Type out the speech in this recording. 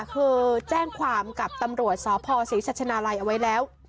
คือแจ้งความกับตำรวจสพศรีชัชนาลัยเอาไว้แล้ว